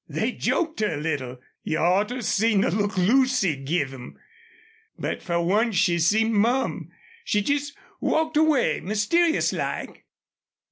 They joked her a little. You oughter seen the look Lucy give them. But fer once she seemed mum. She jest walked away mysterious like."